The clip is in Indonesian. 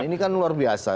ini kan luar biasa